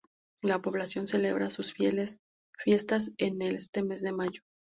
La población celebra sus fiestas en el mes de mayo.